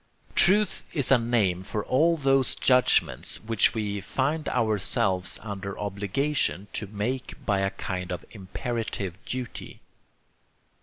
Truth is a name for all those judgments which we find ourselves under obligation to make by a kind of imperative duty.